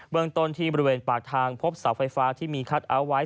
เมืองต้นที่บริเวณปากทางพบเสาไฟฟ้าที่มีคัทเอาท์ไว้